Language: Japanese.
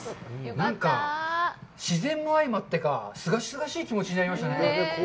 なんか、自然も相まってか、すがすがしい気持ちになりましたね。